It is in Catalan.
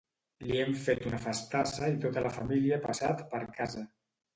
Li hem fet una festassa i tota la família ha passat per casa.